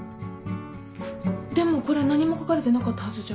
でもこれ何も書かれてなかったはずじゃ。